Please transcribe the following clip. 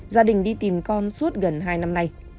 gia đình đi tìm con suốt gần hai năm nay